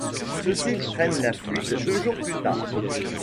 Ceux-ci prennent la fuite deux jours plus tard.